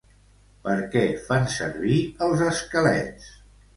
Per què fan servir els esquelets?